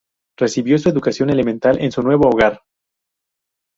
Recibió su educación elemental en su nuevo hogar.